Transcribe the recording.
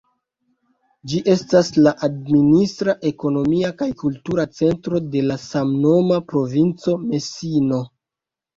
Ĝi estas la administra, ekonomia kaj kultura centro de la samnoma provinco Mesino.